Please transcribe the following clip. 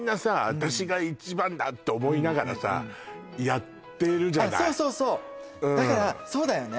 私が１番だって思いながらさやっているじゃないそうそうそうだからそうだよね